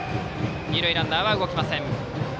二塁ランナーは動きません。